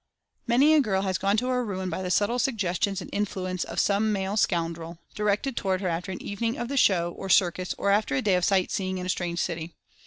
Many a girl has gone to her ruin by the subtle sug gestions and influence of some male scoundrel, di rected toward her after an evening of the "show," or circus or after a day of sight seeing in a strange city.